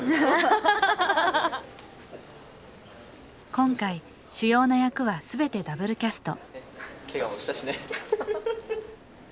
今回主要な役はすべてダブルキャスト